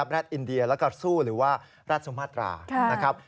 รัฐอินเดียแล้วก็สู้หรือว่าแรดสุมาตรานะครับ